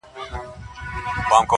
همداسي هره وسیله او هر فرصت کاروي -